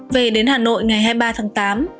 về đến hà nội ngày hai mươi ba tháng tám